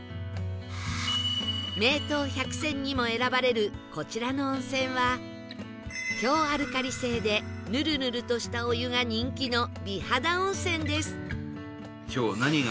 名湯百選にも選ばれるこちらの温泉は強アルカリ性でヌルヌルとしたお湯が人気の美肌温泉です